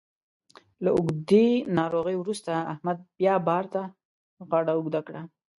له اوږدې ناروغۍ وروسته احمد بیا بار ته غاړه اوږده کړه.